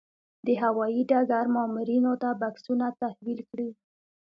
د هوايي ډګر مامورینو ته بکسونه تحویل کړي.